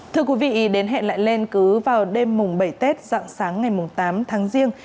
thưa quý vị đến hẹn lại lên cứ vào đêm bảy tết dạng sáng ngày tám tháng riêng